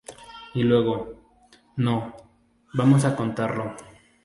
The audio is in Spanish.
Y luego: "No, vamos a cortarlo".